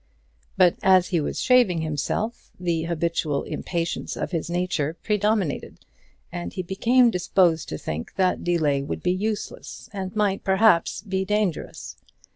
But as he was shaving himself, the habitual impatience of his nature predominated, and he became disposed to think that delay would be useless, and might perhaps be dangerous.